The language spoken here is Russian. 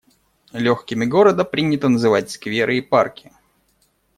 «Лёгкими города» принято называть скверы и парки.